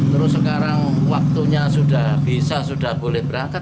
terus sekarang waktunya sudah bisa sudah boleh berangkat